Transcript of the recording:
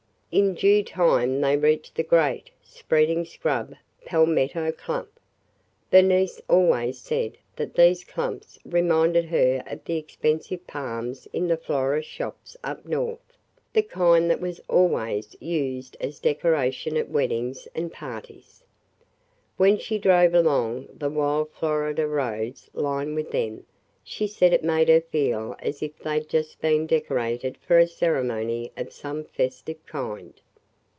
In due time they reached the great, spreading scrub palmetto clump. Bernice always said that these clumps reminded her of the expensive palms in the florist shops up North, the kind that was always used as a decoration at weddings and parties. When she drove along the wild Florida roads lined with them, she said it made her feel as if they 'd just been decorated for a ceremony of some festive kind.